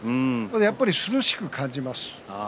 やっぱり涼しく感じます。